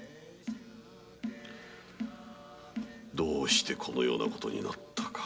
なぜこのような事になったか。